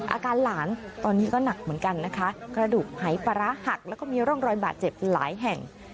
อาการหลานตอนนี้ก็หนักเหมือนกันนะคะกระดูกหายปลาร้าหักแล้วก็มีร่องรอยบาดเจ็บหลายแห่ง